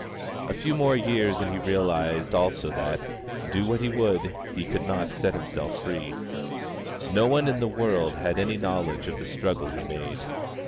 A few more years and he realised also that, do what he would, he could not set himself free. No one in the world had any knowledge of the struggle he made.